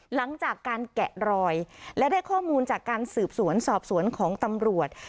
หลังจากการแกะรอยและได้ข้อมูลจากการสืบสวนสอบสวนของตำรวจ